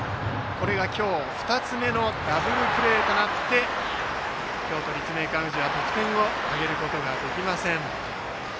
これが今日２つ目のダブルプレーとなって京都・立命館宇治は得点を挙げることができません。